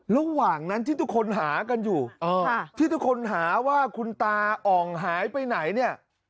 ระหว่างนั้นที่ทุกคนหากันอยู่ที่ทุกคนหาว่าคุณตาอ่องหายไปไหนเนี่ย